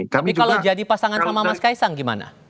tapi kalau jadi pasangan sama mas kaisang gimana